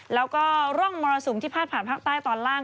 แล้วก็ร่องมรสุมที่พาดผ่านภาคใต้ตอนล่าง